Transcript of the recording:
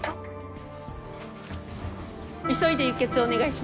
急いで輸血お願いします。